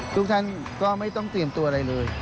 ทุกท่านก็ไม่ต้องเตรียมตัวอะไรเลย